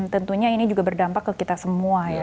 tentunya ini juga berdampak ke kita semua ya